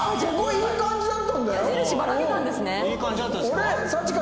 いい感じだったんですか？